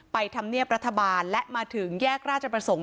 ธรรมเนียบรัฐบาลและมาถึงแยกราชประสงค์